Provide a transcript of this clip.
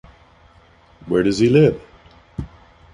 Where does he live?